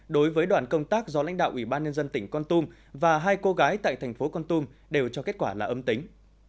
đối với đoàn công tác do lãnh đạo ủy ban nhân dân tỉnh con tum và hai cô gái tại thành phố con tum đều cho kết quả là âm tính